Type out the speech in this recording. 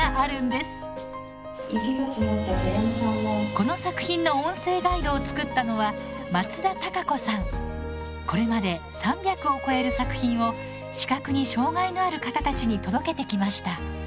この作品の音声ガイドを作ったのはこれまで３００を超える作品を視覚に障がいのある方たちに届けてきました。